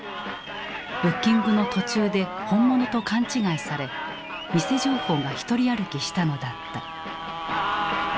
ブッキングの途中で本物と勘違いされ偽情報がひとり歩きしたのだった。